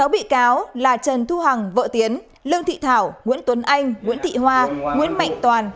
sáu bị cáo là trần thu hằng vợ tiến lương thị thảo nguyễn tuấn anh nguyễn thị hoa nguyễn mạnh toàn